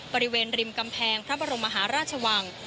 บริเวณริมกำแพงพระบรมมหาราชวัง